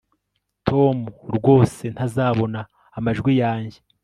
tom rwose ntazabona amajwi yanjye